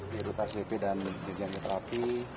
bdu tasjid p dan bdu jambi terapi